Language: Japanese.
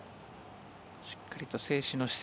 しっかりと静止の姿勢。